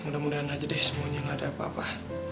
mudah mudahan aja deh semuanya gak ada apa apa